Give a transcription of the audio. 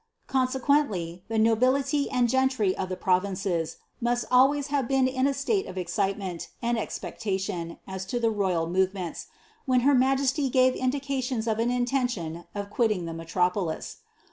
Consequendy the nobility and gentry of the pro vinces must always have been in a state of e\cilemenl and expeclalioo as to the royal movements, when her majesty gave indications of an in tention of quilting the metropolis.